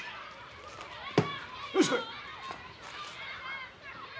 よし来い。